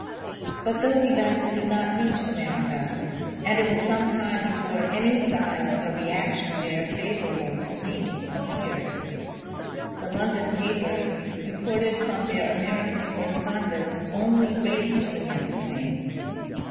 But those events did not reach America, and it was some time before any sign of a reaction there favourable to me appeared. The London papers reported from their Ameri can correspondents <Hily rage against me.